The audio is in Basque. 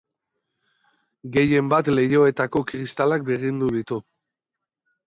Gehienbat leihoetako kristalak birrindu ditu.